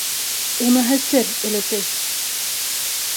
- Уныһы сер, өләсәй.